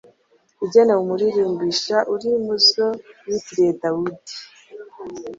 Igenewe umuririmbisha Iri mu zo bitirira Dawudi